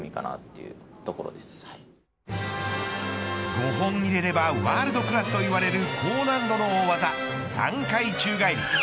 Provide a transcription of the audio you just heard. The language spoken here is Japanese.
５本入れればワールドクラスといわれる高難度の大技３回宙返り。